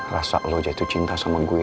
rasa lo jatuh cinta sama gue